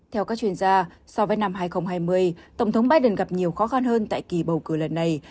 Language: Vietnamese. theo các chuyên gia so với năm hai nghìn hai mươi tổng thống biden gặp nhiều khó khăn hơn tại kỳ bầu cử lần này